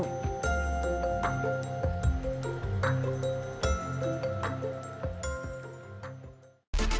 kami berdua sudah berdua kita sudah berdua ini sudah berdua ini